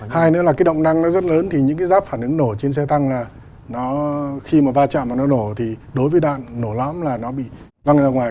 hai nữa là cái động năng nó rất lớn thì những cái giáp phản ứng nổ trên xe tăng là nó khi mà va chạm và nó nổ thì đối với đạn nổ lõm là nó bị văng ra ngoài